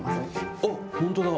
あっ、本当だ。